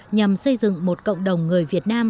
nhằm xây dựng một cộng đồng người việt nam